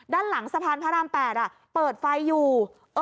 ด้านหลังสะพานพระราม๘เปิดไฟอยู่